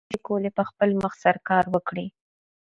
هیڅ اداره نشي کولی په خپل سر کار وکړي.